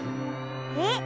えっ？